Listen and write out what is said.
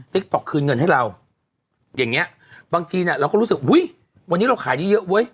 ติ๊กต๊อกคืนเงินให้เราอย่างนี้บางทีเราก็รู้สึกวันนี้เราขายได้เยอะเว้ย